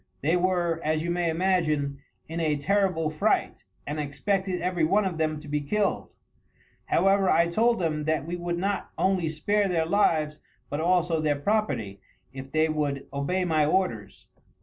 They were, as you may imagine, in a terrible fright, and expected every one of them to be killed. However, I told them that we would not only spare their lives, but also their property, if they would obey my orders.